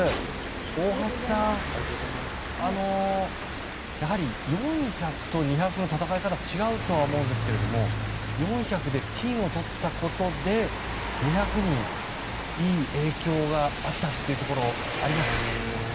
大橋さん、やはり４００と２００の戦い方は違うとは思うんですが４００で金をとったことで２００にいい影響があったというところ、ありますか？